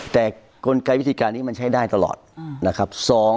แต่กลไกวิธีการนี้มันใช้ได้ตลอดนะครับ